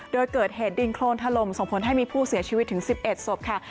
โดยเกิดเหตุดินโครนถล่มส่งผลให้มีผู้เสียชีวิตถึง๑๑ศพค่ะ